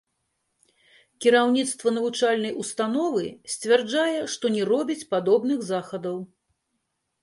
Кіраўніцтва навучальнай установы сцвярджае, што не робіць падобных захадаў.